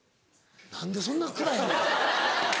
何でそんな暗い話。